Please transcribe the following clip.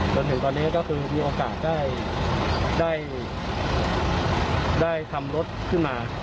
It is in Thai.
จนถึงตอนนี้ก็คือมีโอกาสได้ทำรถขึ้นมา